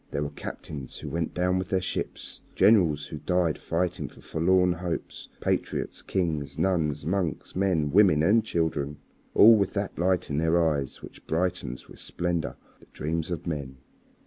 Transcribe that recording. There were captains who went down with their ships, generals who died fighting for forlorn hopes, patriots, kings, nuns, monks, men, women, and children all with that light in their eyes which brightens with splendor the dreams of men.